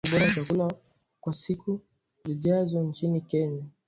Mradi wa kuzidisha ubora wa chakula kwa siku zijazo nchini Kenya